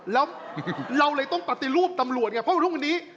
แล้วเราเลยต้องปฏิรูปตำรวจไงเพราะทุกวันนี้